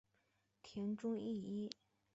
田中义一。